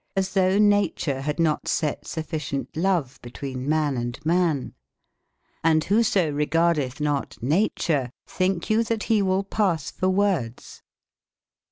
Hs tbougbe na ture bad not set sufficient love betwene man & man* Hnd wbo so regardetb not nature, tbinke you tbat be will passe for wordes?